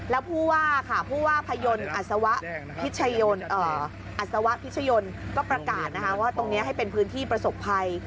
แล้วผู้ว่าค่ะผู้ว่าพยนตร์อัศวะอัศวะพิชยนต์ก็ประกาศว่าตรงนี้ให้เป็นพื้นที่ประสบภัย